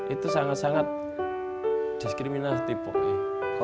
itu sangat sangat diskriminatif